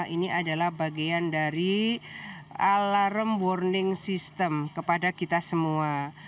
ini adalah bagian dari alarm warning system kepada kita semua